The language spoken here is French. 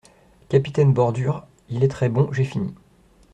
Capitaine Bordure Il est très bon, j’ai fini.